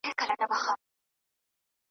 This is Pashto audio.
د چنګېز پر کور ناورين ؤ .